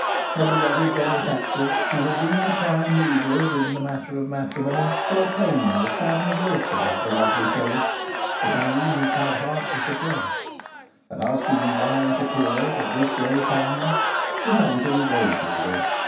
Her beloved benefactors, who had been the prime movers in the matter of matrimony, saw plainly a saddened look about the lovely face, which Irene tried hard to suppress, and asking why it appeared at this gay time, was answered evasively.